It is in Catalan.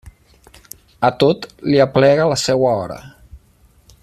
A tot li aplega la seua hora.